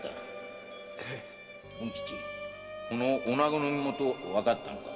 〔文吉このおなごの身元わかったのか？